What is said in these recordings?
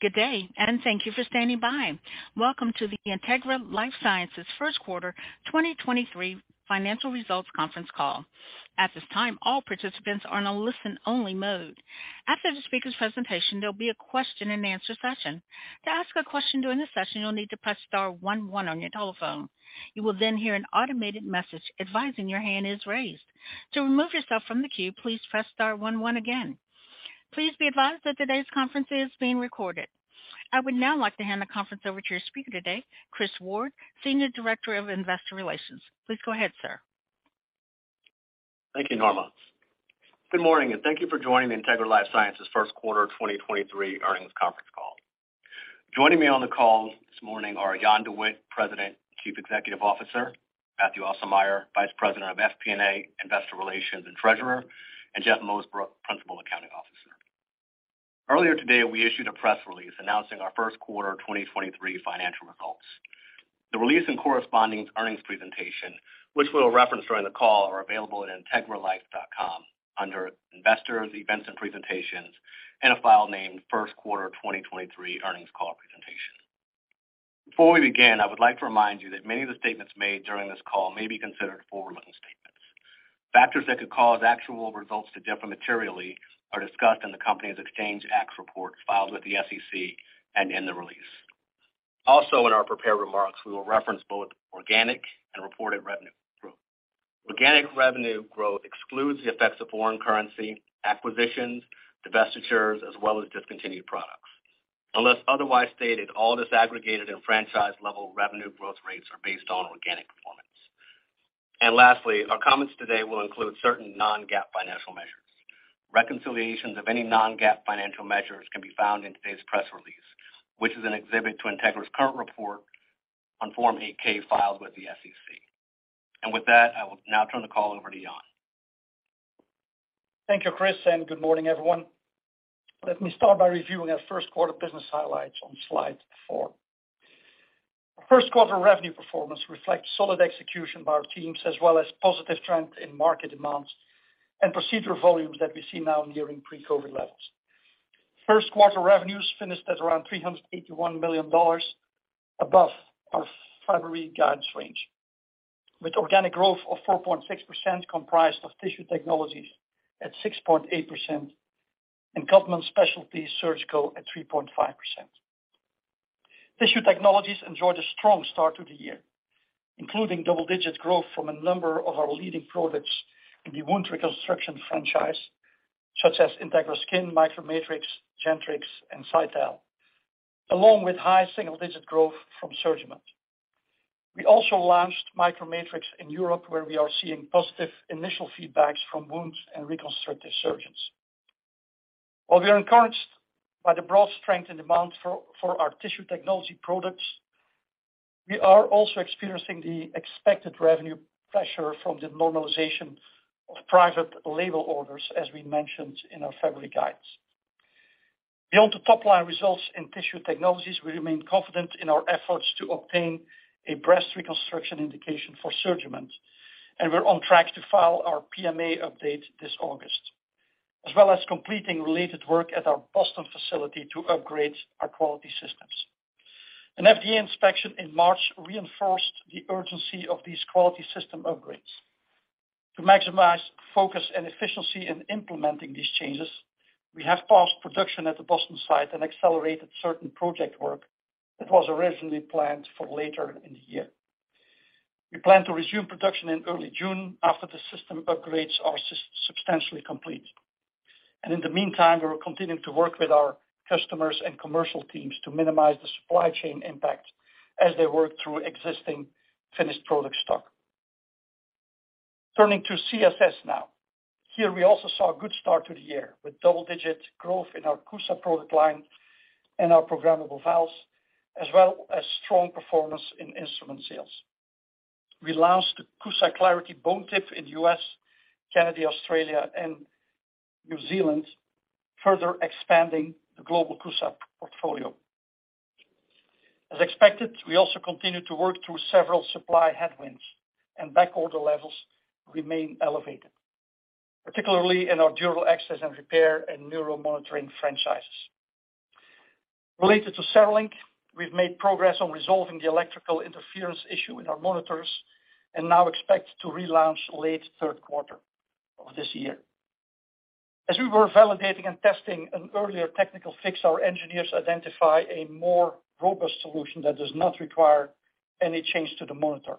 Good day, and thank you for standing by. Welcome to the Integra LifeSciences Q1 2023 financial results conference call. At this time, all participants are in a listen-only mode. After the speaker's presentation, there'll be a question-and-answer session. To ask a question during the session, you'll need to press star one one on your telephone. You will then hear an automated message advising your hand is raised. To remove yourself from the queue, please press star one one again. Please be advised that today's conference is being recorded. I would now like to hand the conference over to your speaker today, Chris Ward, Senior Director of Investor Relations. Please go ahead, sir. Thank you, Norma. Good morning, and thank you for joining the Integra LifeSciences Q1 2023 earnings conference call. Joining me on the call this morning are Jan De Witte, President and Chief Executive Officer; Mathieu Aussermeier, Vice President of FP&A, Investor Relations, and Treasurer; and Jeff Mosebrook, Principal Accounting Officer. Earlier today, we issued a press release announcing our Q1 2023 financial results. The release and corresponding earnings presentation, which we'll reference during the call, are available at integralife.com under Investors, Events and Presentations in a file named Q1 2023 Earnings Call Presentation. Before we begin, I would like to remind you that many of the statements made during this call may be considered forward-looking statements. Factors that could cause actual results to differ materially are discussed in the company's Exchange Act report filed with the SEC and in the release. Also, in our prepared remarks, we will reference both organic and reported revenue growth. Organic revenue growth excludes the effects of foreign currency, acquisitions, divestitures, as well as discontinued products. Unless otherwise stated, all disaggregated and franchise-level revenue growth rates are based on organic performance. Lastly, our comments today will include certain non-GAAP financial measures. Reconciliations of any non-GAAP financial measures can be found in today's press release, which is an exhibit to Integra's current report on Form 8-K filed with the SEC. With that, I will now turn the call over to Jan. Thank you, Chris, good morning, everyone. Let me start by reviewing our Q1 business highlights on slide four. Q1 revenue performance reflects solid execution by our teams, as well as positive trends in market demands and procedural volumes that we see now nearing pre-COVID levels. Q1 revenues finished at around $381 million, above our February guidance range, with organic growth of 4.6% comprised of Tissue Technologies at 6.8% and Codman Specialty Surgical at 3.5%. Tissue Technologies enjoyed a strong start to the year, including double-digit growth from a number of our leading products in the wound reconstruction franchise, such as Integra Skin, MicroMatrix, Gentrix, and Cytal, along with high single-digit growth from SurgiMend. We also launched MicroMatrix in Europe, where we are seeing positive initial feedbacks from wounds and reconstructive surgeons. While we are encouraged by the broad strength and demand for our Tissue Technologies products, we are also experiencing the expected revenue pressure from the normalization of private label orders, as we mentioned in our February guidance. Beyond the top-line results in Tissue Technologies, we remain confident in our efforts to obtain a breast reconstruction indication for SurgiMend, and we're on track to file our PMA update this August, as well as completing related work at our Boston facility to upgrade our quality systems. An FDA inspection in March reinforced the urgency of these quality system upgrades. To maximize focus and efficiency in implementing these changes, we have paused production at the Boston site and accelerated certain project work that was originally planned for later in the year. We plan to resume production in early June after the system upgrades are substantially complete. In the meantime, we are continuing to work with our customers and commercial teams to minimize the supply chain impact as they work through existing finished product stock. Turning to CSS now. Here, we also saw a good start to the year, with double-digit growth in our CUSA product line and our programmable valves, as well as strong performance in instrument sales. We launched the CUSA Clarity Bone Tip in U.S., Canada, Australia, and New Zealand, further expanding the global CUSA portfolio. As expected, we also continued to work through several supply headwinds and backorder levels remain elevated, particularly in our dural access and repair and neuromonitoring franchises. Related to CereLink, we've made progress on resolving the electrical interference issue in our monitors and now expect to relaunch late Q3 of this year. As we were validating and testing an earlier technical fix, our engineers identify a more robust solution that does not require any change to the monitor.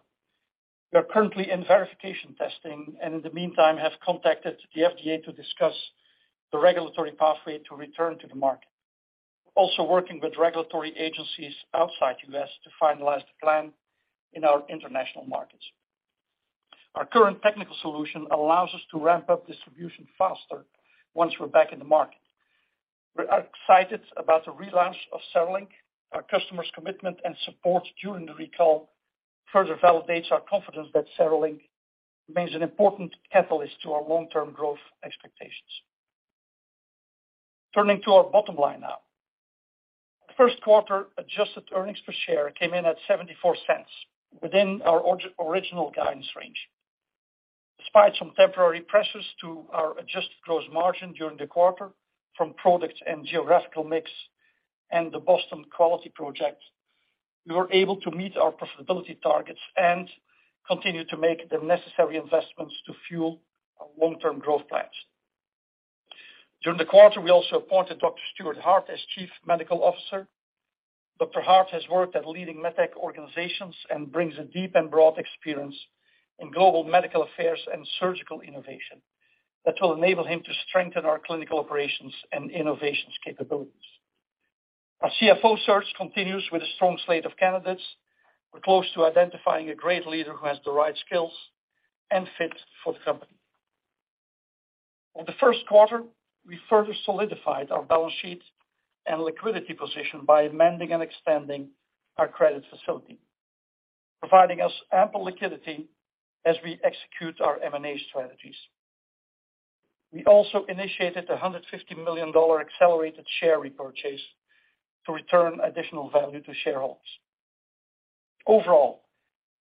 We are currently in verification testing and in the meantime have contacted the FDA to discuss the regulatory pathway to return to the market. Also working with regulatory agencies outside U.S. to finalize the plan in our international markets. Our current technical solution allows us to ramp up distribution faster once we're back in the market. We are excited about the relaunch of CereLink. Our customers' commitment and support during the recall further validates our confidence that CereLink remains an important catalyst to our long-term growth expectations. Turning to our bottom line now. Q1 Adjusted Earnings per share came in at $0.74 within our original guidance range. Despite some temporary pressures to our Adjusted Gross Margin during the quarter from product and geographical mix and the Boston Quality project, we were able to meet our profitability targets and continue to make the necessary investments to fuel our long-term growth plans. During the quarter, we also appointed Dr. Stuart Hart as Chief Medical Officer. Dr. Hart has worked at leading med tech organizations and brings a deep and broad experience in global medical affairs and surgical innovation that will enable him to strengthen our clinical operations and innovations capabilities. Our CFO search continues with a strong slate of candidates. We're close to identifying a great leader who has the right skills and fit for the company. In the Q1, we further solidified our balance sheet and liquidity position by amending and extending our credit facility, providing us ample liquidity as we execute our M&A strategies. We also initiated a $150 million accelerated share repurchase to return additional value to shareholders. Overall,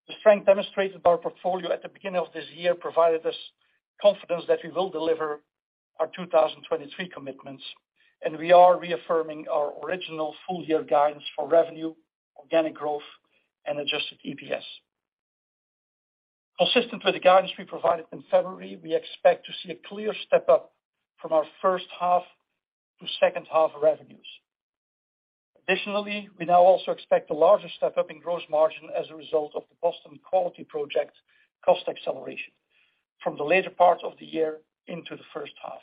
the strength demonstrated by our portfolio at the beginning of this year provided us confidence that we will deliver our 2023 commitments. We are reaffirming our original full-year guidance for revenue, organic growth, and Adjusted EPS. Consistent with the guidance we provided in February, we expect to see a clear step-up from our first half to second half revenues. Additionally, we now also expect a larger step-up in gross margin as a result of the Boston Quality Project cost acceleration from the later part of the year into the first half.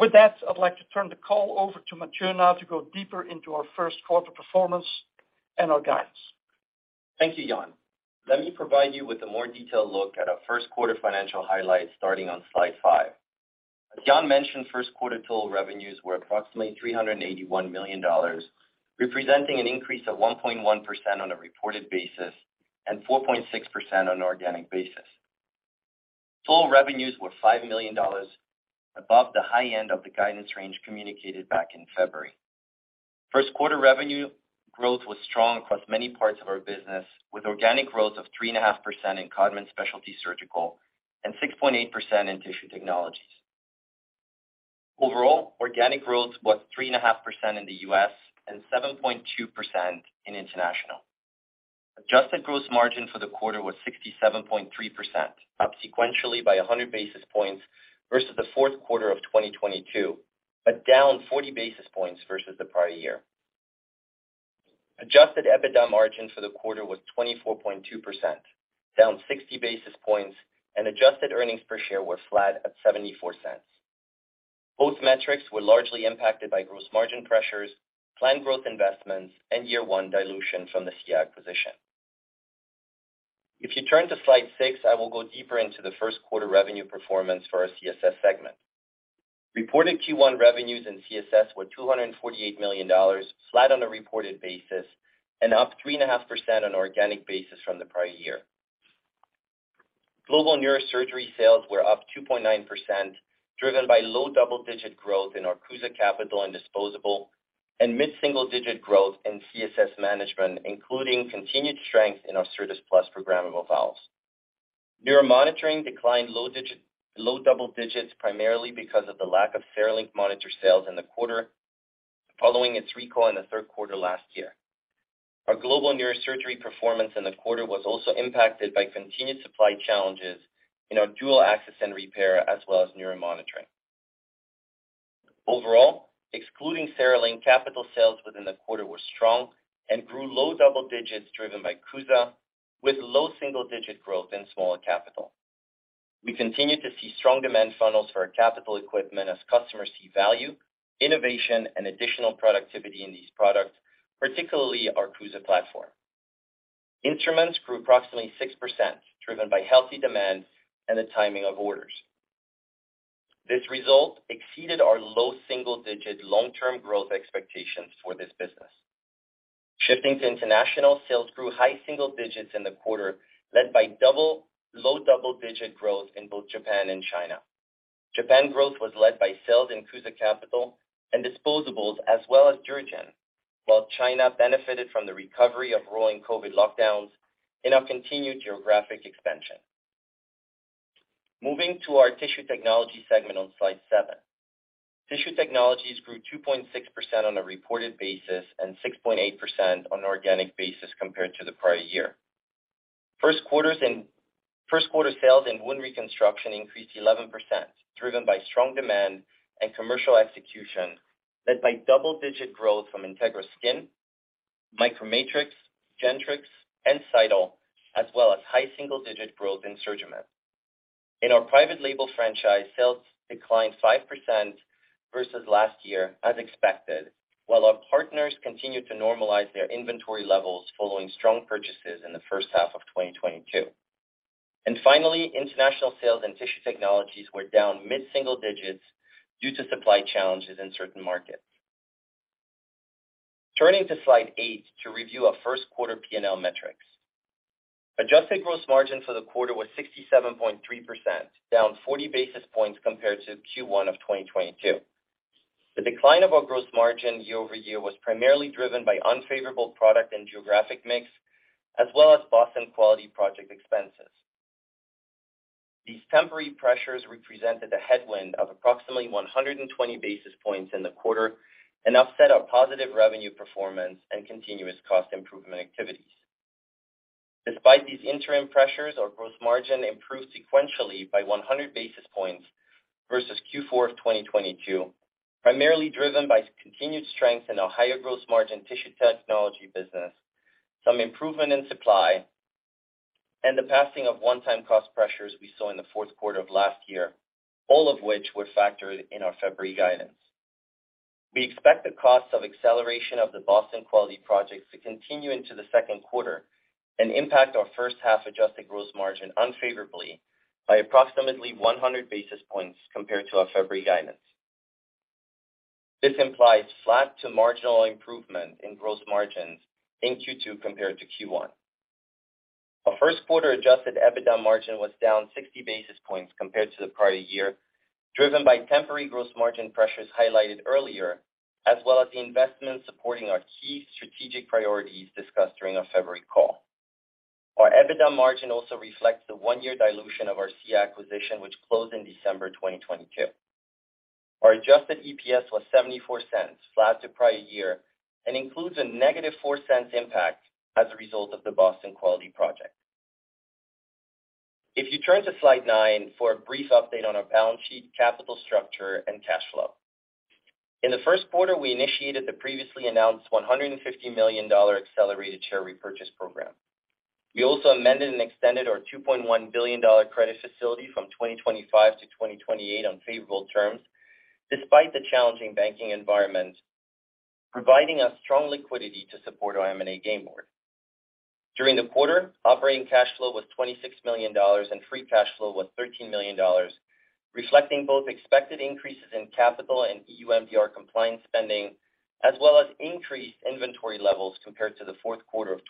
With that, I'd like to turn the call over to Mathieu now to go deeper into our Q1 performance and our guidance. Thank you, Jan. Let me provide you with a more detailed look at our Q1 financial highlights, starting on slide five. As Jan mentioned, Q1 total revenues were approximately $381 million, representing an increase of 1.1% on a reported basis and 4.6% on an organic basis. Total revenues were $5 million above the high end of the guidance range communicated back in February. Q1 revenue growth was strong across many parts of our business, with organic growth of 3.5% in Codman Specialty Surgical and 6.8% in Tissue Technologies. Overall, organic growth was 3.5% in the U.S. and 7.2% in international. Adjusted Gross Margin for the quarter was 67.3%, up sequentially by 100 basis points versus the Q4 of 2022, but down 40 basis points versus the prior year. Adjusted EBITDA margin for the quarter was 24.2%, down 60 basis points, and Adjusted Earnings per share were flat at $0.74. Both metrics were largely impacted by gross margin pressures, planned growth investments, and year one dilution from the SIA acquisition. If you turn to slide six, I will go deeper into the Q1 revenue performance for our CSS segment. Reported Q1 revenues in CSS were $248 million, flat on a reported basis and up 3.5% on an organic basis from the prior year. Global neurosurgery sales were up 2.9%, driven by low-double-digit growth in our CUSA Capital and Disposable and mid-single-digit growth in CSF management, including continued strength in our Certas Plus programmable valves. Neuromonitoring declined low double digits primarily because of the lack of CereLink monitor sales in the quarter following its recall in the Q3 last year. Our global neurosurgery performance in the quarter was also impacted by continued supply challenges in our dural access and repair, as well as neuromonitoring. Overall, excluding CereLink, capital sales within the quarter were strong and grew low double digits driven by CUSA with low single-digit growth in smaller capital. We continue to see strong demand funnels for our capital equipment as customers see value, innovation, and additional productivity in these products, particularly our CUSA platform. Instruments grew approximately 6%, driven by healthy demand and the timing of orders. This result exceeded our low single-digit long-term growth expectations for this business. Shifting to international, sales grew high single-digits in the quarter, led by low double-digit growth in both Japan and China. Japan growth was led by sales in CUSA Capital and Disposables, as well as DuraGen, while China benefited from the recovery of rolling COVID lockdowns in our continued geographic expansion. Moving to our Tissue Technologies segment on slide seven. Tissue Technologies grew 2.6% on a reported basis and 6.8% on an organic basis compared to the prior year. Q1 sales in wound reconstruction increased 11%, driven by strong demand and commercial execution, led by double-digit growth from Integra Skin, MicroMatrix, Gentrix, and Cytal, as well as high single-digit growth in SurgiMend. In our private label franchise, sales declined 5% versus last year as expected, while our partners continued to normalize their inventory levels following strong purchases in the first half of 2022. Finally, international sales in Tissue Technologies were down mid-single digits due to supply challenges in certain markets. Turning to slide eight to review our Q1 P&L metrics. Adjusted Gross Margin for the quarter was 67.3%, down 40 basis points compared to Q1 of 2022. The decline of our gross margin year-over-year was primarily driven by unfavorable product and geographic mix, as well as Boston Quality project expenses. These temporary pressures represented a headwind of approximately 120 basis points in the quarter and upset our positive revenue performance and continuous cost improvement activities. Despite these interim pressures, our gross margin improved sequentially by 100 basis points versus Q4 of 2022, primarily driven by continued strength in our higher gross margin Tissue Technologies business, some improvement in supply, and the passing of one-time cost pressures we saw in the Q4 of last year, all of which were factored in our February guidance. We expect the cost of acceleration of the Boston Quality projects to continue into the Q2 and impact our first half Adjusted Gross Margin unfavorably by approximately 100 basis points compared to our February guidance. This implies flat to marginal improvement in gross margins in Q2 compared to Q1. Our Q1 Adjusted EBITDA margin was down 60 basis points compared to the prior year, driven by temporary gross margin pressures highlighted earlier, as well as the investment supporting our key strategic priorities discussed during our February call. Our EBITDA margin also reflects the one-year dilution of our SIA acquisition, which closed in December 2022. Our Adjusted EPS was $0.74, flat to prior year, and includes a negative $0.04 impact as a result of the Boston Quality project. If you turn to slide nine for a brief update on our balance sheet, capital structure, and cash flow. In the Q1, we initiated the previously announced $150 million accelerated share repurchase program. We also amended and extended our $2.1 billion credit facility from 2025 to 2028 on favorable terms, despite the challenging banking environment, providing us strong liquidity to support our M&A game board. During the quarter, operating cash flow was $26 million, and free cash flow was $13 million, reflecting both expected increases in capital and EU MDR compliance spending, as well as increased inventory levels compared to the Q4 of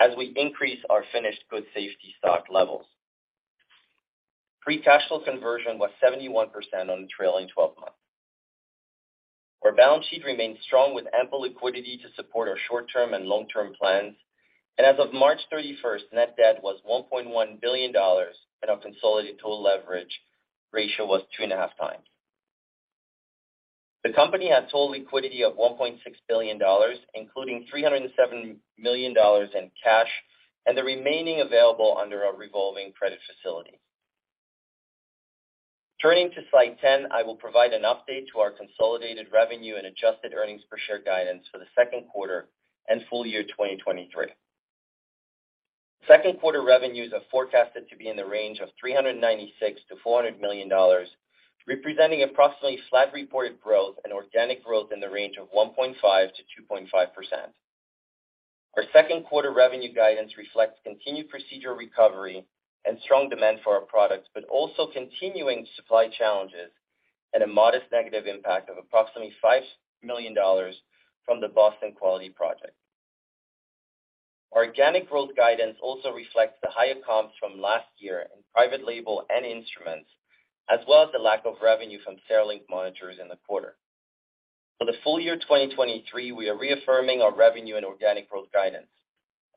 2022 as we increase our finished goods safety stock levels. Free cash flow conversion was 71% on the trailing twelve-month. Our balance sheet remains strong with ample liquidity to support our short-term and long-term plans. As of March 31st, net debt was $1.1 billion, and our consolidated total leverage ratio was 2.5 times. The company had total liquidity of $1.6 billion, including $307 million in cash, and the remaining available under our revolving credit facility. Turning to slide 10, I will provide an update to our consolidated revenue and Adjusted Earnings per share guidance for the Q2 and full-year 2023. Q2 revenues are forecasted to be in the range of $396 million-$400 million, representing approximately flat reported growth and organic growth in the range of 1.5%-2.5%. Our Q2 revenue guidance reflects continued procedural recovery and strong demand for our products, but also continuing supply challenges and a modest negative impact of approximately $5 million from the Boston Quality project. Our organic growth guidance also reflects the higher comps from last year in private label and instruments, as well as the lack of revenue from CereLink monitors in the quarter. For the full-year 2023, we are reaffirming our revenue and organic growth guidance.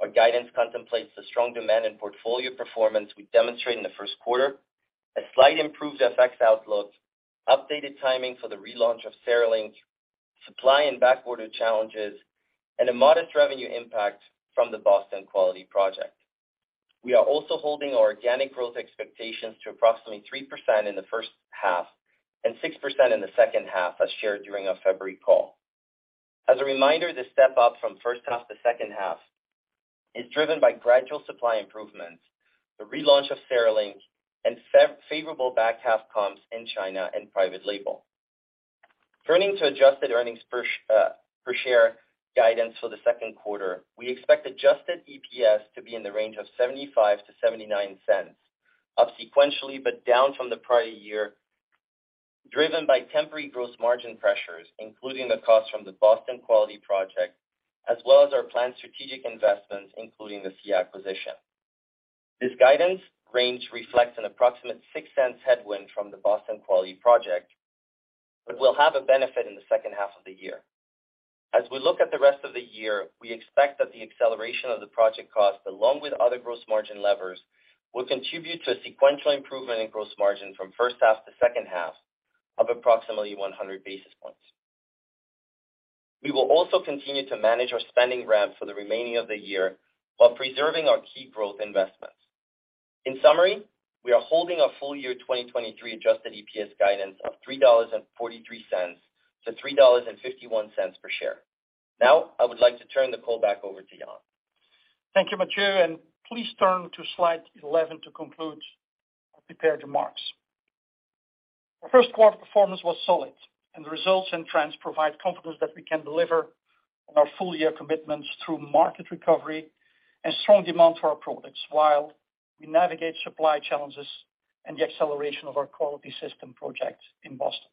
Our guidance contemplates the strong demand in portfolio performance we demonstrate in the Q1, a slight improved FX outlook, updated timing for the relaunch of CereLink, supply and backorder challenges, and a modest revenue impact from the Boston Quality project. We are also holding our organic growth expectations to approximately 3% in the first half and 6% in the second half, as shared during our February call. As a reminder, the step up from first half to second half is driven by gradual supply improvements, the relaunch of CereLink, and favorable back half comps in China and private label. Turning to Adjusted Earnings per share guidance for the Q2, we expect Adjusted EPS to be in the range of $0.75-$0.79, up sequentially but down from the prior year, driven by temporary gross margin pressures, including the cost from the Boston Quality project, as well as our planned strategic investments, including the SIA acquisition. This guidance range reflects an approximate $0.06 headwind from the Boston Quality project, but will have a benefit in the second half of the year. We look at the rest of the year, we expect that the acceleration of the project cost, along with other gross margin levers, will contribute to a sequential improvement in gross margin from first half to second half of approximately 100 basis points. We will also continue to manage our spending ramp for the remaining of the year while preserving our key growth investments. In summary, we are holding our full-year 2023 Adjusted EPS guidance of $3.43-$3.51 per share. I would like to turn the call back over to Jan. Thank you, Mathieu. Please turn to slide 11 to conclude our prepared remarks. Our Q1 performance was solid. The results and trends provide confidence that we can deliver on our full-year commitments through market recovery and strong demand for our products while we navigate supply challenges and the acceleration of our quality system project in Boston.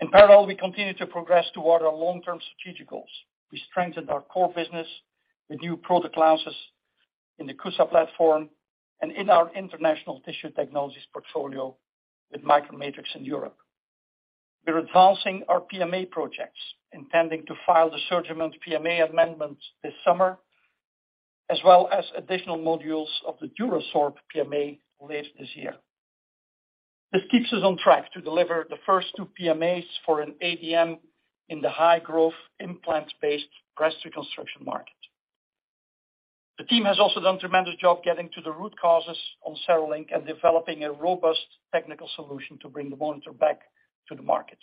In parallel, we continue to progress toward our long-term strategic goals. We strengthened our core business with new product launches in the CUSA platform and in our international Tissue Technologies portfolio with MicroMatrix in Europe. We're advancing our PMA projects, intending to file the SurgiMend PMA amendment this summer, as well as additional modules of the DuraSorb PMA late this year. This keeps us on track to deliver the first two PMAs for an ADM in the high-growth implant-based breast reconstruction market. The team has also done a tremendous job getting to the root causes on CereLink and developing a robust technical solution to bring the monitor back to the market.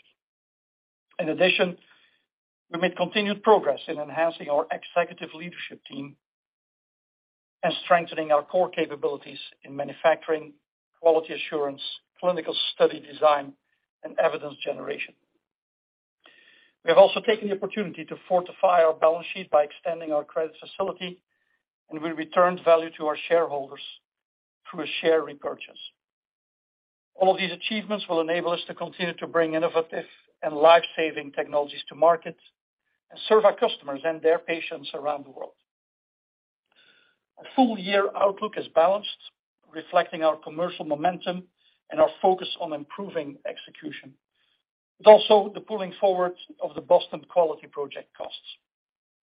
In addition, we made continued progress in enhancing our executive leadership team and strengthening our core capabilities in manufacturing, quality assurance, clinical study design, and evidence generation. We have also taken the opportunity to fortify our balance sheet by extending our credit facility, and we returned value to our shareholders through a share repurchase. All of these achievements will enable us to continue to bring innovative and life-saving technologies to market and serve our customers and their patients around the world. Our full-year outlook is balanced, reflecting our commercial momentum and our focus on improving execution, but also the pulling forward of the Boston quality project costs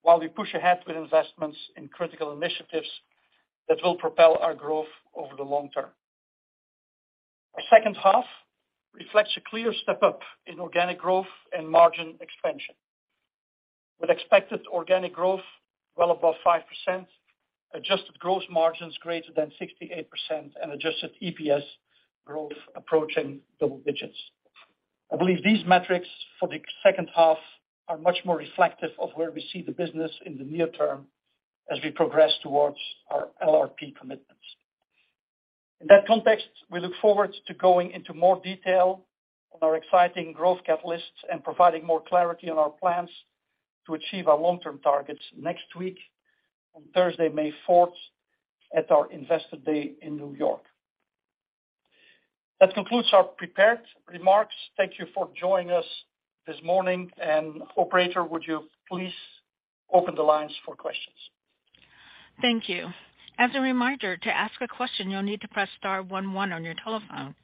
while we push ahead with investments in critical initiatives that will propel our growth over the long term. Our second half reflects a clear step-up in organic growth and margin expansion, with expected organic growth well above 5%, Adjusted Gross Margins greater than 68%, and Adjusted EPS growth approaching double digits. I believe these metrics for the second half are much more reflective of where we see the business in the near term as we progress towards our LRP commitments. In that context, we look forward to going into more detail on our exciting growth catalysts and providing more clarity on our plans to achieve our long-term targets next week on Thursday, May Fourth, at our Investor Day in New York. That concludes our prepared remarks. Thank you for joining us this morning. Operator, would you please open the lines for questions. Thank you. As a reminder, to ask a question, you'll need to press star one one on your telephone.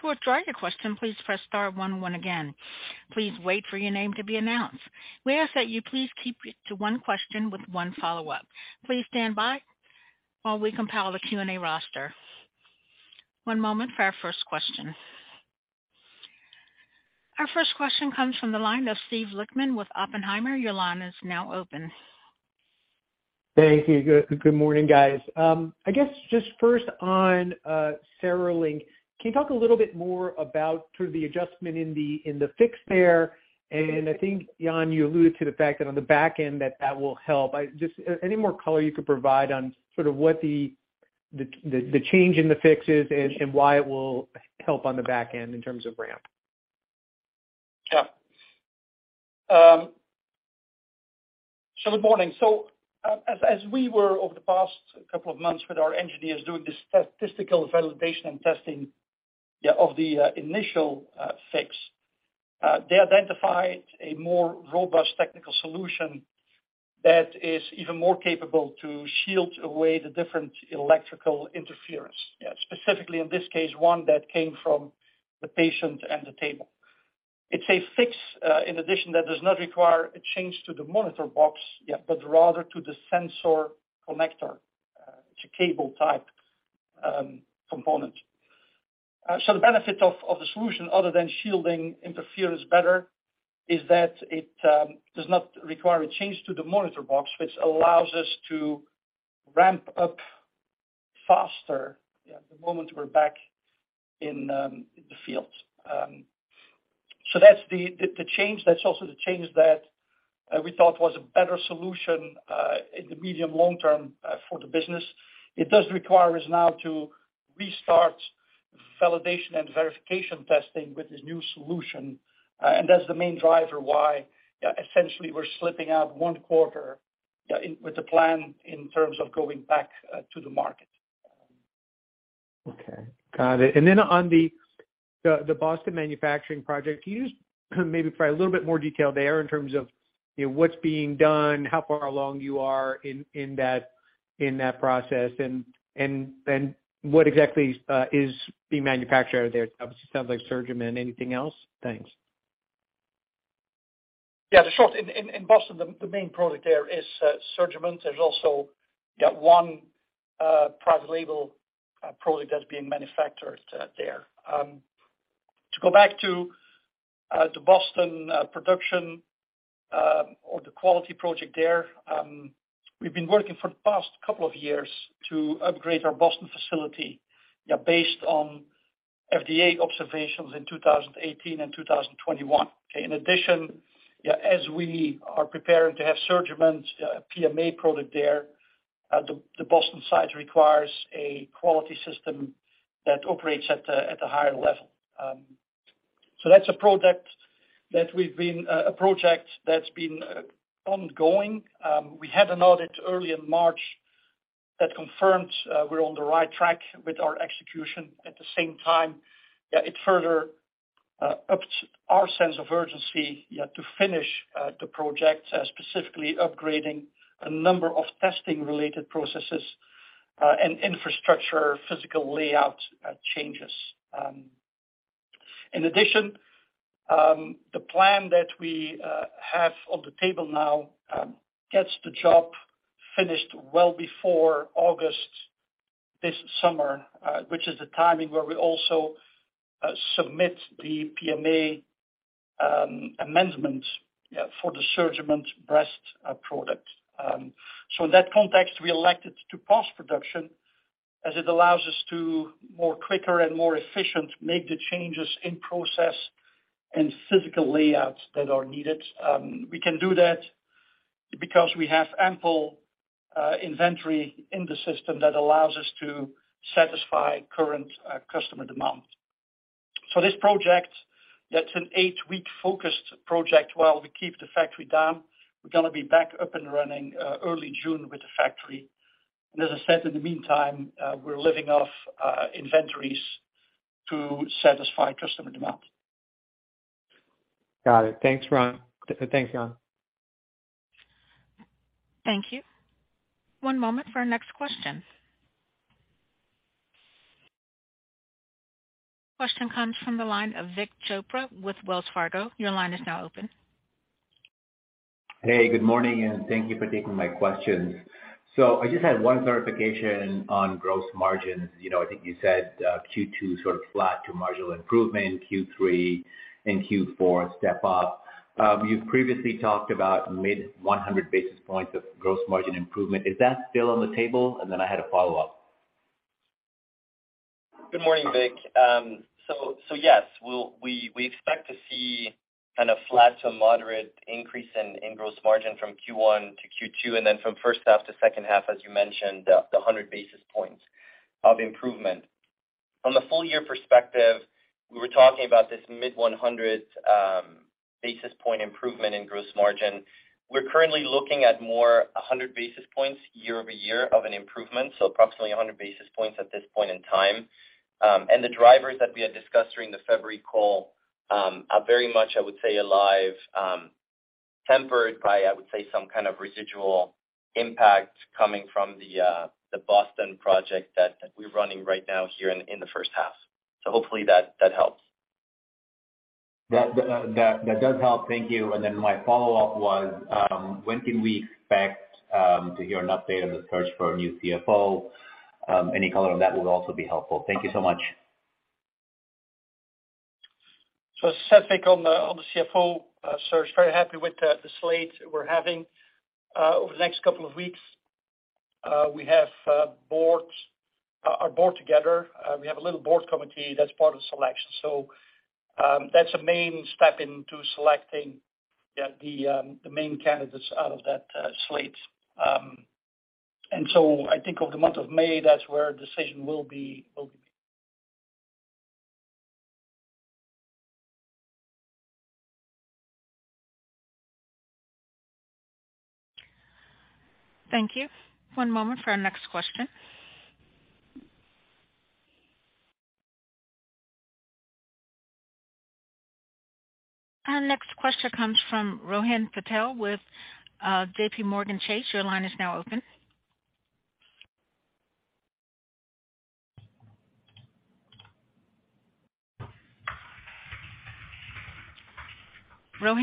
To withdraw your question, please press star one one again. Please wait for your name to be announced. We ask that you please keep it to one question with one follow-up. Please stand by while we compile the Q&A roster. One moment for our first question. Our first question comes from the line of Steve Lichtman with Oppenheimer. Your line is now open. Thank you. Good morning, guys. I guess just first on CereLink. Can you talk a little bit more about sort of the adjustment in the fix there? I think, Jan, you alluded to the fact that on the back end, that that will help. Just any more color you could provide on sort of what the change in the fix is and why it will help on the back end in terms of ramp. Good morning. As we were over the past couple of months with our engineers doing the statistical validation and testing of the initial fix, they identified a more robust technical solution that is even more capable to shield away the different electrical interference. Specifically, in this case, one that came from the patient and the table. It's a fix, in addition, that does not require a change to the monitor box, but rather to the sensor connector. It's a cable-type component. The benefit of the solution other than shielding interference better is that it does not require a change to the monitor box, which allows us to ramp up faster the moment we're back in the field. That's the change. That's also the change that we thought was a better solution, in the medium long term, for the business. It does require us now to restart validation and verification testing with this new solution. That's the main driver why essentially we're slipping out Q1, yeah, with the plan in terms of going back, to the market. Okay. Got it. On the Boston manufacturing project, can you just maybe provide a little bit more detail there in terms of, you know, what's being done, how far along you are in that process, and what exactly is being manufactured there? Obviously, it sounds like SurgiMend. Anything else? Thanks. Yeah. In Boston, the main product there is SurgiMend. There's also one private label product that's being manufactured there. To go back to the Boston production, or the quality project there, we've been working for the past couple of years to upgrade our Boston facility, based on FDA observations in 2018 and 2021. In addition, as we are preparing to have SurgiMend PMA product there, the Boston site requires a quality system that operates at a higher level. That's a project that's been ongoing. We had an audit early in March that confirmed we're on the right track with our execution. At the same time, yeah, it further upped our sense of urgency, yeah, to finish the project, specifically upgrading a number of testing-related processes and infrastructure physical layout changes. In addition, the plan that we have on the table now gets the job finished well before August this summer, which is the timing where we also submit the PMA amendment, yeah, for the SurgiMend breast product. In that context, we elected to pause production as it allows us to more quicker and more efficient, make the changes in process and physical layouts that are needed. We can do that because we have ample inventory in the system that allows us to satisfy current customer demand. This project, that's an 8-week focused project while we keep the factory down. We're gonna be back up and running early June with the factory. As I said in the meantime, we're living off inventories to satisfy customer demand. Got it. Thanks, Ron. Thanks, Jan. Thank you. One moment for our next question. Question comes from the line of Vik Chopra with Wells Fargo. Your line is now open. Hey, good morning, and thank you for taking my questions. I just had one clarification on gross margins. You know, I think you said, Q2 sort of flat to marginal improvement, Q3 and Q4 step up. You've previously talked about mid 100 basis points of gross margin improvement. Is that still on the table? I had a follow-up. Good morning, Vik. Yes, we expect to see kind of flat to a moderate increase in gross margin from Q1 to Q2, from first half to second half, as you mentioned, 100 basis points of improvement. From the full-year perspective, we were talking about this mid-100 basis point improvement in gross margin. We're currently looking at more 100 basis points year-over-year of an improvement, approximately 100 basis points at this point in time. The drivers that we had discussed during the February call are very much, I would say, alive, tempered by, I would say, some kind of residual impact coming from the Boston project that we're running right now here in the first half. Hopefully that helps. That does help. Thank you. My follow-up was, when can we expect to hear an update on the search for a new CFO? Any color on that would also be helpful. Thank you so much. Seth, back on the CFO search, very happy with the slate we're having. Over the next couple of weeks, we have our board together. We have a little board committee that's part of selection. That's a main step into selecting, yeah, the main candidates out of that slate. I think over the month of May, that's where decision will be made. Thank you. One moment for our next question. Our next question comes from Rohan Patel with JPMorgan Chase. Your line is now open. I suggest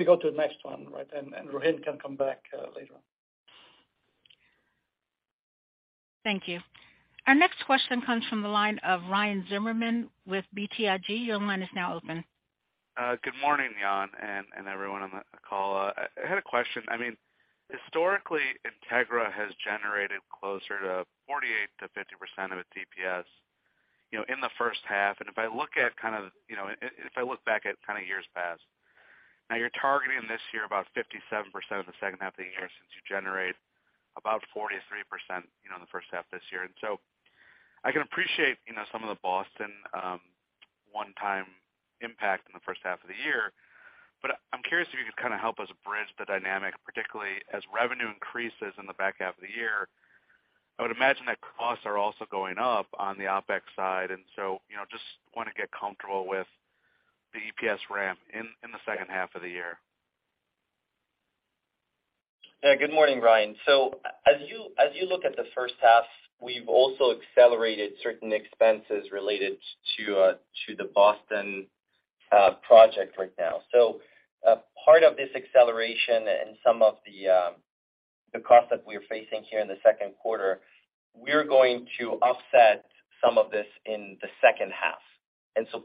we go to the next one, right, and Rohan can come back later on. Thank you. Our next question comes from the line of Ryan Zimmerman with BTIG. Your line is now open. Good morning, Jan, and everyone on the call. I had a question. I mean, historically, Integra has generated closer to 48%-50% of its EPS, you know, in the first half. If I look back at kind of years past, now you're targeting this year about 57% of the second half of the year since you generate about 43%, you know, in the first half this year. I can appreciate, you know, some of the Boston one-time impact in the first half of the year, but I'm curious if you could kind of help us bridge the dynamic, particularly as revenue increases in the back half of the year. I would imagine that costs are also going up on the Opex side, and so, you know, just wanna get comfortable with the EPS ramp in the second half of the year. Yeah. Good morning, Ryan. As you look at the first half, we've also accelerated certain expenses related to the Boston project right now. Part of this acceleration and some of the cost that we're facing here in the Q2, we're going to offset some of this in the second half.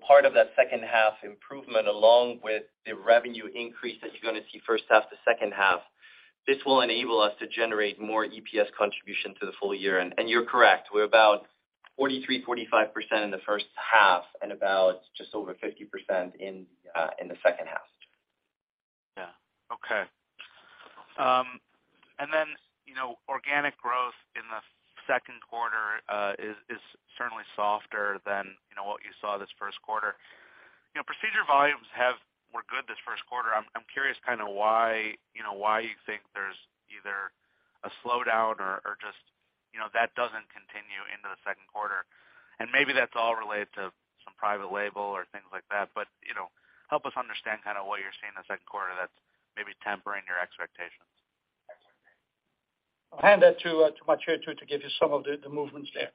Part of that second half improvement, along with the revenue increase that you're going to see first half to second half, this will enable us to generate more EPS contribution to the full-year. And you're correct, we're about 43%-45% in the first half and about just over 50% in the second half. Then, you know, organic growth in the Q2 is certainly softer than, you know, what you saw this Q1. You know, procedure volumes were good this Q1. I'm curious kinda why, you know, why you think there's either a slowdown or just, you know, that doesn't continue into the Q2. Maybe that's all related to some private label or things like that, you know, help us understand kinda what you're seeing in the Q2 that's maybe tempering your expectations. I'll hand that to Mathieu to give you some of the movements there.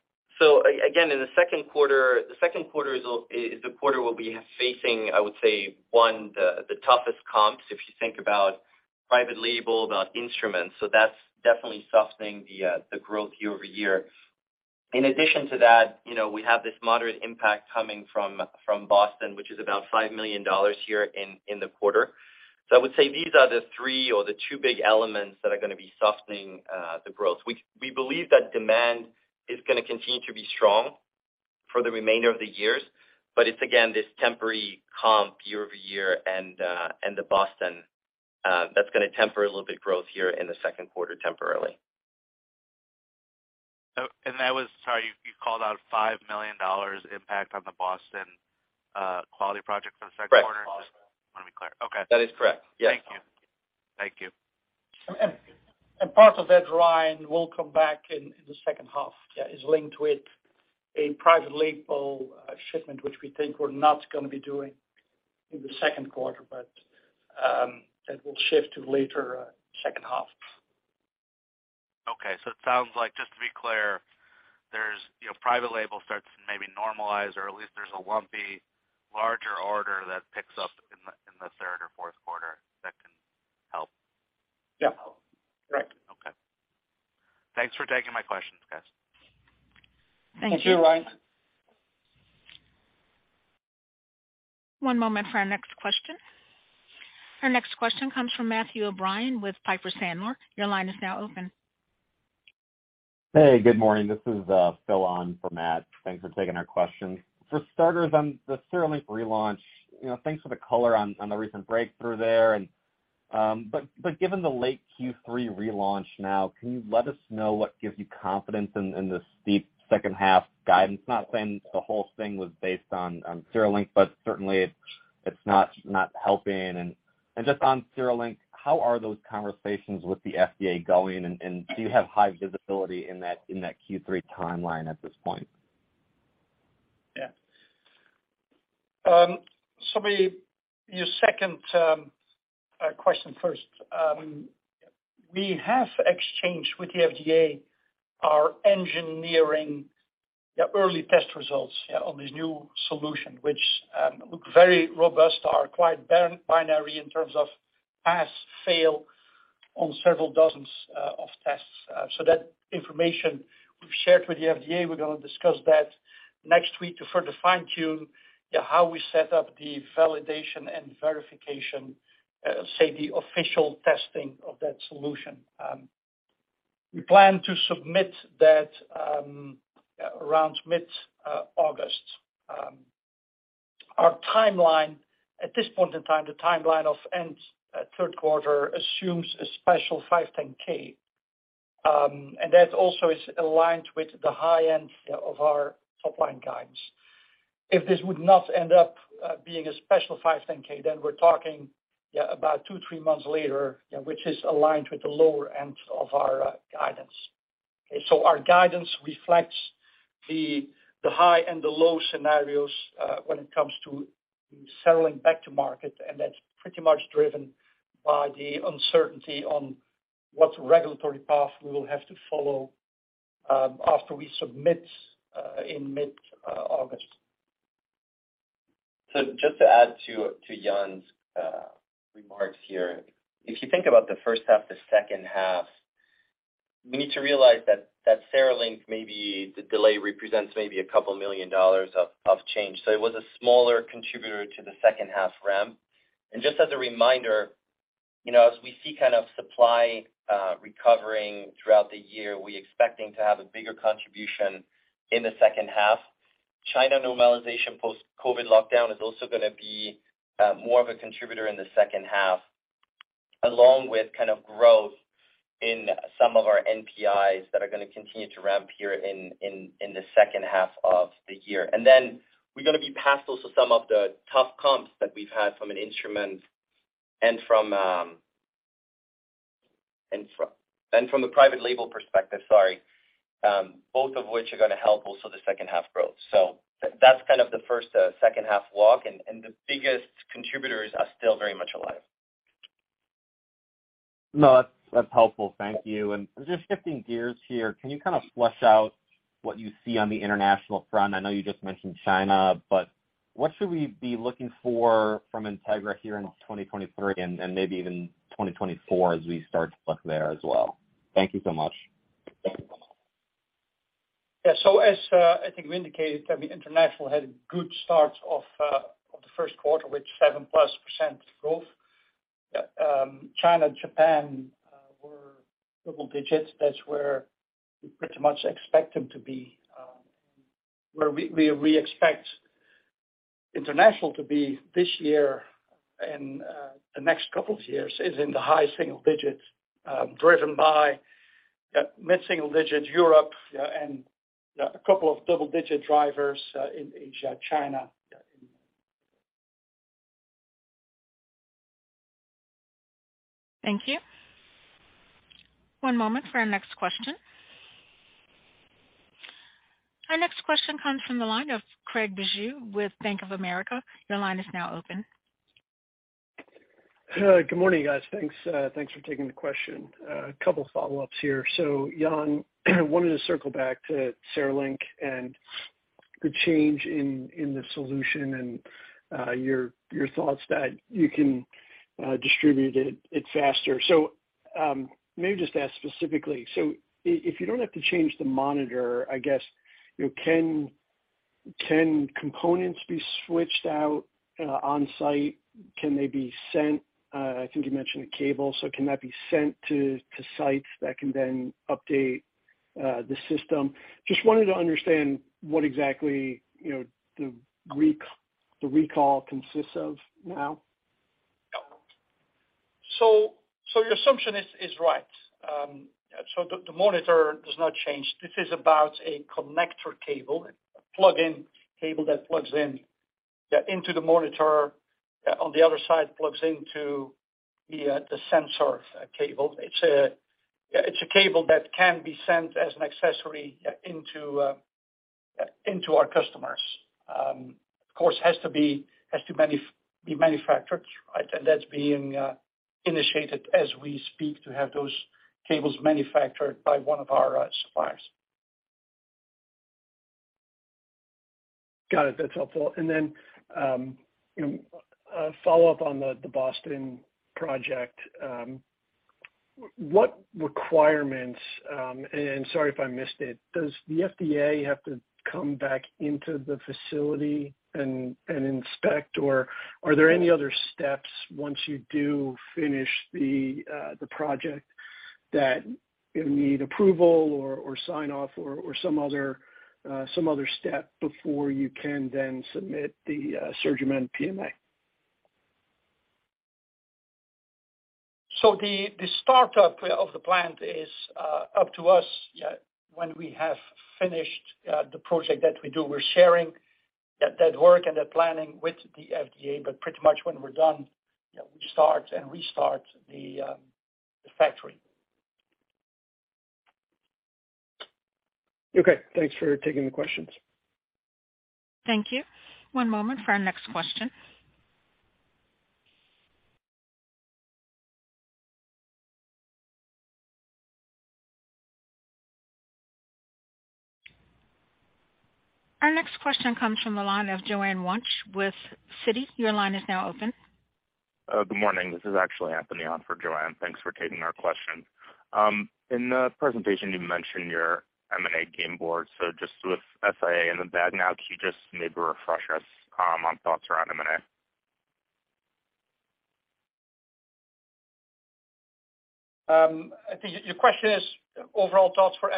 Again, in the Q2, the Q2 is the quarter we'll be facing, I would say, one, the toughest comps if you think about private label, about instruments. That's definitely softening the growth year-over-year. In addition to that, you know, we have this moderate impact coming from Boston, which is about $5 million here in the quarter. I would say these are the three or the two big elements that are going to be softening the growth. We believe that demand is going to continue to be strong for the remainder of the years. It's again, this temporary comp year-over-year and the Boston that's going to temper a little bit growth here in the Q2 temporarily. Oh, sorry, you called out $5 million impact on the Boston quality project for the Q2? Right. Boston. Just wanna be clear. Okay. That is correct. Yes. Thank you. Thank you. Part of that line will come back in the second half. That is linked with a private label shipment, which we think we're not gonna be doing in the Q2. That will shift to later second half. Okay. It sounds like, just to be clear, there's, you know, private label starts to maybe normalize or at least there's a lumpy larger order that picks up in the third or Q4 that can help. Yeah. Correct. Okay. Thanks for taking my questions, guys. Thank you, Ryan. One moment for our next question. Our next question comes from Matthew O'Brien with Piper Sandler. Your line is now open. Hey, good morning. This is Phil on for Matt. Thanks for taking our question. For starters on the CereLink relaunch, you know, thanks for the color on the recent breakthrough there and. Given the late Q3 relaunch now, can you let us know what gives you confidence in the steep second half guidance? Not saying the whole thing was based on CereLink, but certainly it's not helping. Just on CereLink, how are those conversations with the FDA going and do you have high visibility in that Q3 timeline at this point? Maybe your second question first. We have exchanged with the FDA our engineering early test results on this new solution, which look very robust, are quite binary in terms of pass, fail on several dozens of tests. That information we've shared with the FDA, we're gonna discuss that next week to further fine-tune how we set up the validation and verification, say the official testing of that solution. We plan to submit that around mid August. Our timeline at this point in time, the timeline of end Q3 assumes a special 510(k). That also is aligned with the high end of our top line guidance. This would not end up being a special 510(k), then we're talking, yeah, about two, three months later, yeah, which is aligned with the lower end of our guidance. Our guidance reflects the high and the low scenarios when it comes to settling back to market, and that's pretty much driven by the uncertainty on what regulatory path we will have to follow after we submit in mid, August. Just to add to Jan's remarks here. If you think about the first half, the second half, we need to realize that CereLink maybe the delay represents maybe $2 million of change. It was a smaller contributor to the second half ramp. Just as a reminder, you know, as we see kind of supply recovering throughout the year, we're expecting to have a bigger contribution in the second half. China normalization post-COVID lockdown is also going to be more of a contributor in the second half, along with kind of growth in some of our NPIs that are going to continue to ramp here in the second half of the year. Then we're gonna be past also some of the tough comps that we've had from an instrument and from a private label perspective, sorry, both of which are gonna help also the second half growth. That's kind of the first second half walk and the biggest contributors are still very much alive. No, that's helpful. Thank you. Just shifting gears here, can you kind of flesh out what you see on the international front? I know you just mentioned China, what should we be looking for from Integra here in 2023 and maybe even 2024 as we start to look there as well? Thank you so much. As I think we indicated, international had a good start of the Q1 with 7+% growth. China and Japan were double-digits. That's where we pretty much expect them to be. Where we expect international to be this year and the next couple of years is in the high single-digits, driven by mid-single-digit Europe and a couple of double-digit drivers in Asia, China. Thank you. One moment for our next question. Our next question comes from the line of Craig Bijou with Bank of America. Your line is now open. Good morning, guys. Thanks, thanks for taking the question. A couple follow-ups here. Jan, wanted to circle back to CereLink and the change in the solution and your thoughts that you can distribute it faster. Maybe just ask specifically. If you don't have to change the monitor, I guess, you know, can components be switched out on site? Can they be sent... I think you mentioned a cable, so can that be sent to sites that can then update the system? Just wanted to understand what exactly, you know, the recall consists of now. Your assumption is right. The monitor does not change. This is about a connector cable, a plug-in cable that plugs in into the monitor. On the other side, plugs into the sensor cable. It's a cable that can be sent as an accessory into our customers. Of course, has to be manufactured, right? And that's being initiated as we speak to have those cables manufactured by one of our suppliers. Got it. That's helpful. Then, follow up on the Boston project. What requirements, and sorry if I missed it, does the FDA have to come back into the facility and inspect, or are there any other steps once you do finish the project that you need approval or sign off or some other step before you can then submit the SurgiMend PMA? The start of the plant is up to us, yeah, when we have finished the project that we do. We're sharing that work and that planning with the FDA, but pretty much when we're done, yeah, we start and restart the factory. Okay, thanks for taking the questions. Thank you. One moment for our next question. Our next question comes from the line of Joanne Wuensch with Citi. Your line is now open. Good morning. This is actually Anthony on for Joanne. Thanks for taking our question. In the presentation, you mentioned your M&A game board. Just with SIA in the bag now, can you just maybe refresh us on thoughts around M&A? I think your question is overall thoughts for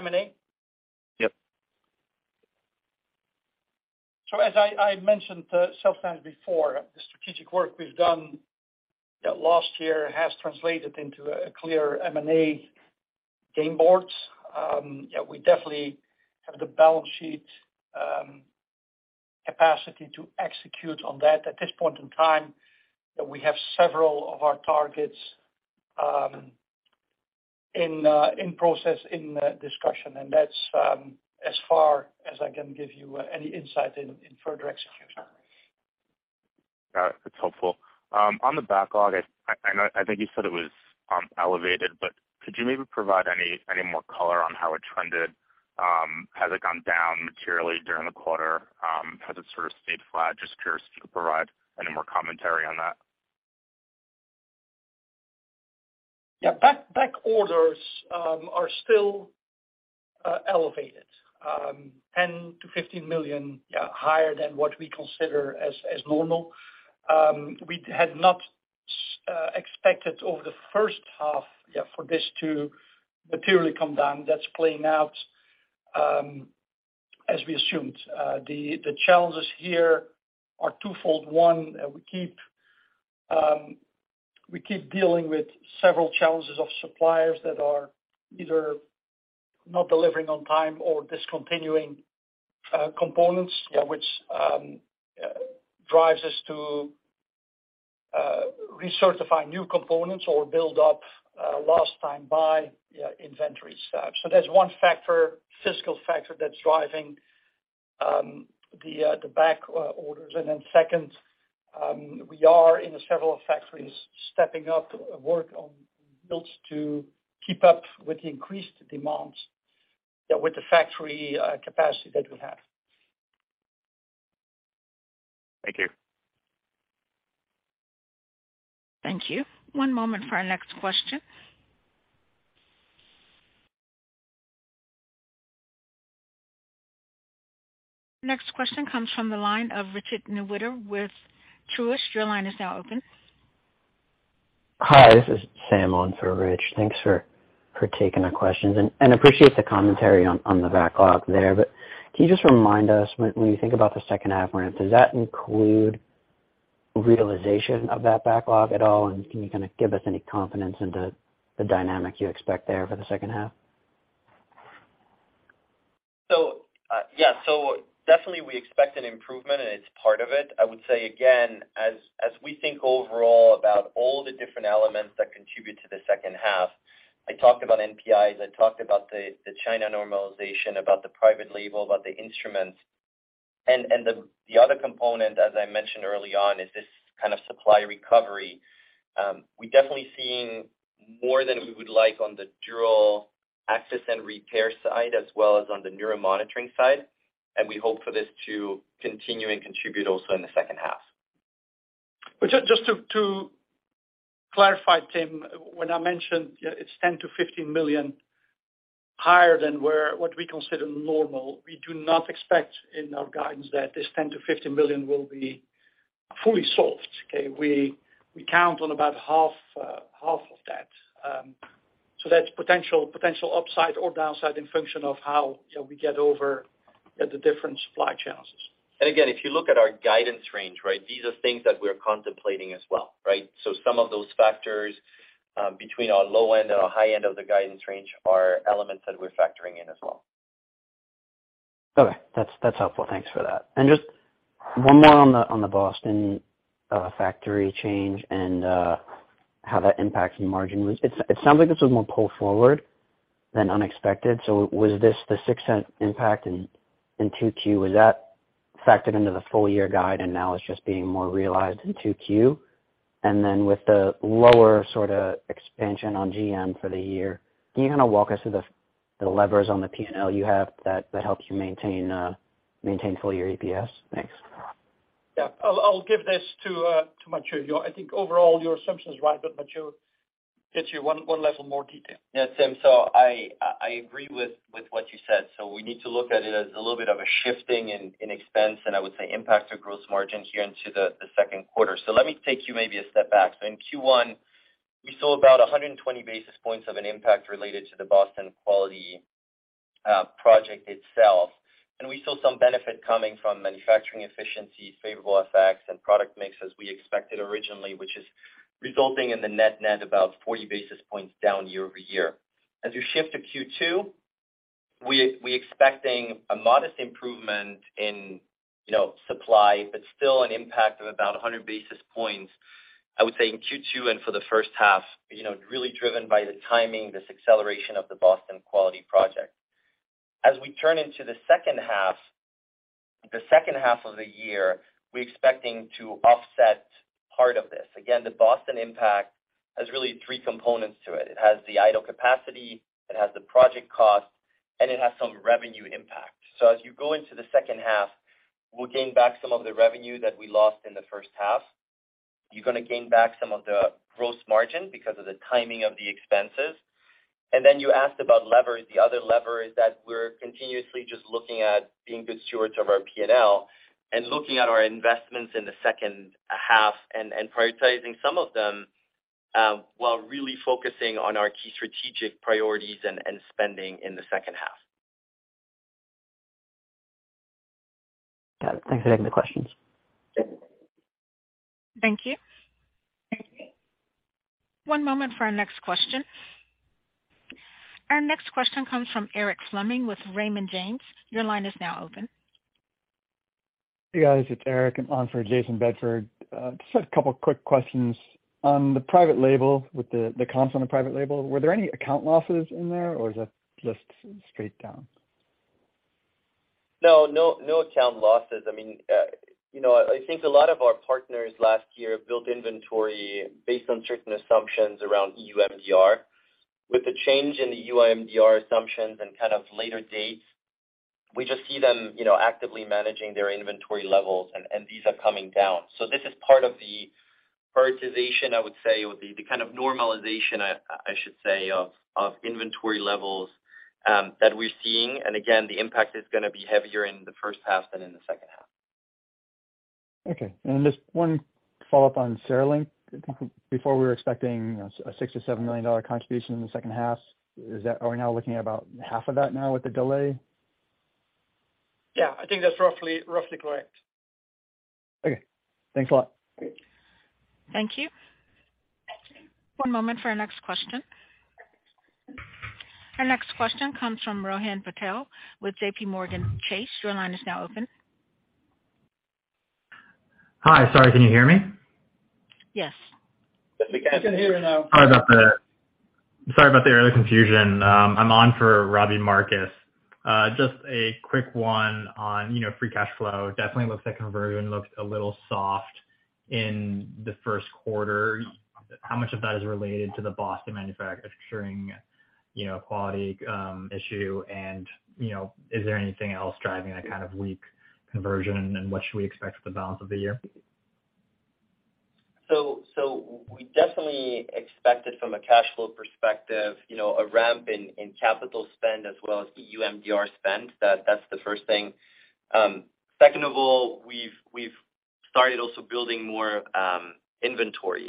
M&A? Yep. As I mentioned, sometimes before, the strategic work we've done, last year has translated into a clear M&A game board. We definitely have the balance sheet, capacity to execute on that. At this point in time, we have several of our targets, in process, in discussion, and that's, as far as I can give you any insight in further execution. Got it. That's helpful. On the backlog, I think you said it was elevated, but could you maybe provide any more color on how it trended? Has it gone down materially during the quarter? Has it sort of stayed flat? Just curious if you could provide any more commentary on that. Back orders are still elevated $10 million-$15 million higher than what we consider as normal. We had not expected over the first half for this to materially come down. That's playing out as we assumed. The challenges here are twofold. One, we keep dealing with several challenges of suppliers that are either not delivering on time or discontinuing components, which drives us to recertify new components or build up last time buy inventory stock. That's one factor, fiscal factor, that's driving the back orders. Second, we are in several factories stepping up work on builds to keep up with the increased demands with the factory capacity that we have. Thank you. Thank you. One moment for our next question. Next question comes from the line of Richard Newitter with Truist. Your line is now open. Hi, this is Sam on for Rich. Thanks for taking our questions and appreciate the commentary on the backlog there. Can you just remind us when you think about the second half ramp, does that include realization of that backlog at all? Can you kind of give us any confidence into the dynamic you expect there for the second half? Yeah. Definitely we expect an improvement, and it's part of it. I would say again, as we think overall about all the different elements that contribute to the second half, I talked about NPI, I talked about the China normalization, about the private label, about the instruments. The other component as I mentioned early on is this kind of supply recovery. We're definitely seeing more than we would like on the dural access and repair side as well as on the neuro monitoring side, and we hope for this to continue and contribute also in the second half. Just to clarify, Tim, when I mentioned it's $10 million-$15 million higher than what we consider normal, we do not expect in our guidance that this $10 million-$15 million will be fully solved, okay. We count on about half of that. So that's potential upside or downside in function of how, you know, we get over the different supply challenges. Again, if you look at our guidance range, right, these are things that we're contemplating as well, right? Some of those factors, between our low end and our high end of the guidance range are elements that we're factoring in as well. Okay. That's helpful. Just one more on the Boston factory change and how that impacts the margin. It sounds like this was more pull forward than unexpected. Was this the $0.06 impact in 2Q? Was that factored into the full-year guide and now it's just being more realized in 2Q? Then with the lower sorta expansion on GM for the year, can you kinda walk us through the levers on the P&L you have that helps you maintain full-year EPS? Thanks. Yeah. I'll give this to Mathieu. I think overall your assumption is right, but Mathieu gets you one level more detail. Yeah, Tim, I agree with what you said. We need to look at it as a little bit of a shifting in expense and I would say impact to gross margin here into the Q2. Let me take you maybe a step back. In Q1, we saw about 120 basis points of an impact related to the Boston quality project itself. We saw some benefit coming from manufacturing efficiency, favorable effects and product mix as we expected originally, which is resulting in the net-net about 40 basis points down year-over-year. As you shift to Q2, we expecting a modest improvement in, you know, supply, but still an impact of about 100 basis points, I would say in Q2 and for the first half, you know, really driven by the timing, this acceleration of the Boston quality project. As we turn into the second half of the year, we're expecting to offset part of this. Again, the Boston impact has really three components to it. It has the idle capacity, it has the project cost, and it has some revenue impact. As you go into the second half, we'll gain back some of the revenue that we lost in the first half. You're gonna gain back some of the gross margin because of the timing of the expenses. Then you asked about leverage. The other leverage that we're continuously just looking at being good stewards of our P&L and looking at our investments in the second half and prioritizing some of them, while really focusing on our key strategic priorities and spending in the second half. Got it. Thanks for taking the questions. Sure. Thank you. One moment for our next question. Our next question comes from Eric Fleming with Raymond James. Your line is now open. Hey, guys, it's Eric. I'm on for Jayson Bedford. just had a couple quick questions. On the private label, with the comps on the private label, were there any account losses in there or is that just straight down? No, no account losses. I mean, you know, I think a lot of our partners last year built inventory based on certain assumptions around EU MDR. With the change in the EU MDR assumptions and kind of later dates, we just see them, you know, actively managing their inventory levels and these are coming down. This is part of the prioritization, I would say, or the kind of normalization I should say of inventory levels that we're seeing. Again, the impact is gonna be heavier in the first half than in the second half. Okay. Just one follow-up on CereLink. Before we were expecting a $6 million-$7 million contribution in the second half. Are we now looking at about half of that now with the delay? Yeah, I think that's roughly correct. Okay. Thanks a lot. Great. Thank you. One moment for our next question. Our next question comes from Rohan Patel with JPMorgan Chase. Your line is now open. Hi. Sorry, can you hear me? Yes. I can hear you now. Sorry about the earlier confusion. I'm on for Robbie Marcus. Just a quick one on, you know, free cash flow. Definitely looks like conversion looked a little soft in the Q1. How much of that is related to the Boston manufacturing, you know, quality issue? You know, is there anything else driving that kind of weak conversion, and what should we expect for the balance of the year? We definitely expected from a cash flow perspective, you know, a ramp in capital spend as well as EU MDR spend. That's the first thing. Second of all, we've started also building more inventory.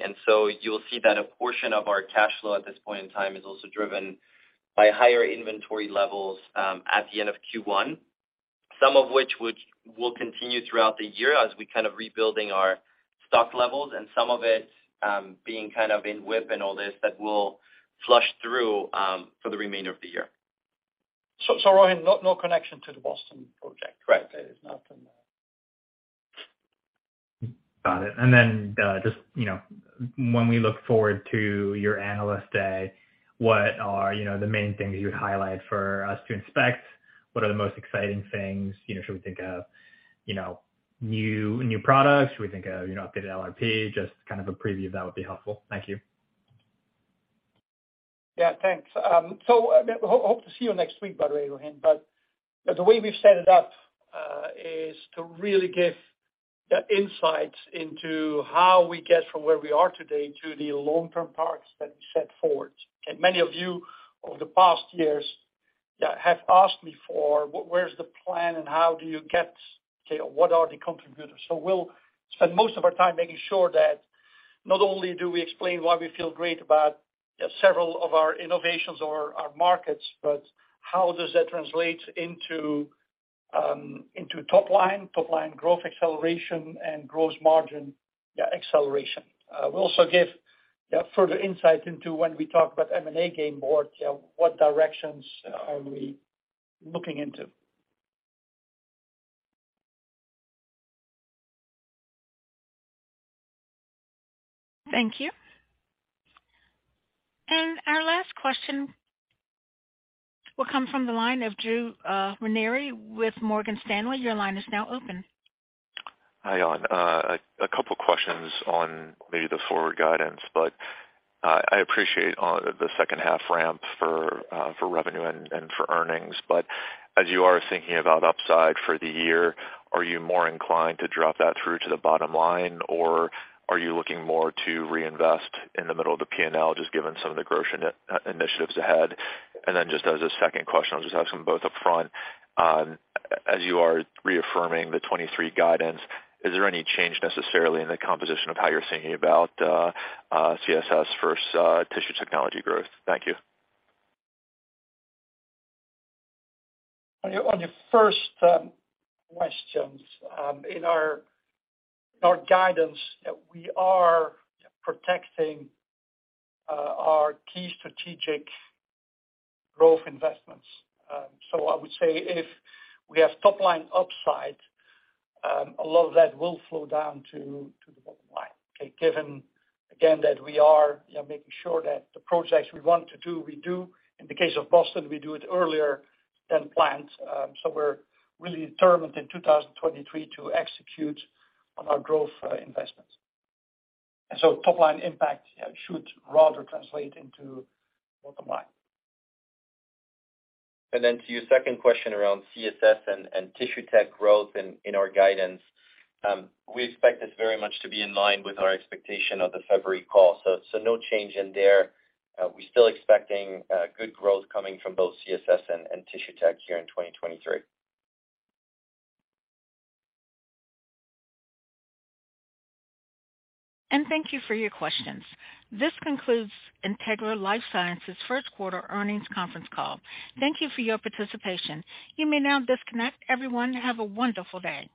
You'll see that a portion of our cash flow at this point in time is also driven by higher inventory levels at the end of Q1, some of which will continue throughout the year as we kind of rebuilding our stock levels and some of it being kind of in whip and all this that will flush through for the remainder of the year. Rohan, no connection to the Boston project, right? There is nothing there. Got it. Then, just, you know, when we look forward to your analyst day, what are, you know, the main things you would highlight for us to inspect? What are the most exciting things? You know, should we think of, you know, new products? Should we think of, you know, updated LRP? Just kind of a preview, that would be helpful. Thank you. Yeah, thanks. Hope to see you next week, by the way, Rohan. The way we've set it up is to really give the insights into how we get from where we are today to the long-term targets that we set forward. Many of you over the past years have asked me for where's the plan and how do you get to what are the contributors. We'll spend most of our time making sure that not only do we explain why we feel great about several of our innovations or our markets, but how does that translate into top line growth acceleration, and gross margin acceleration. We also give further insight into when we talk about M&A game board, what directions are we looking into. Thank you. Our last question will come from the line of Drew Ranieri with Morgan Stanley. Your line is now open. Hi, Jan. A couple of questions on maybe the forward guidance. I appreciate on the second half ramp for revenue and for earnings. As you are thinking about upside for the year, are you more inclined to drop that through to the bottom line, or are you looking more to reinvest in the middle of the P&L, just given some of the growth initiatives ahead? Just as a second question, I'll just ask them both up front. As you are reaffirming the 23 guidance, is there any change necessarily in the composition of how you're thinking about CSS versus Tissue Technologies growth? Thank you. On your first questions, in our guidance, we are protecting our key strategic growth investments. I would say if we have top line upside, a lot of that will flow down to the bottom line, okay. Given again, that we are, you know, making sure that the projects we want to do, we do. In the case of Boston, we do it earlier than planned. We're really determined in 2023 to execute on our growth investments. Top line impact should rather translate into bottom line. To your second question around CSS and Tissue Tech growth in our guidance, we expect this very much to be in line with our expectation of the February call. No change in there. We're still expecting good growth coming from both CSS and Tissue Tech here in 2023. Thank you for your questions. This concludes Integra LifeSciences Q1 earnings conference call. Thank you for your participation. You may now disconnect. Everyone, have a wonderful day.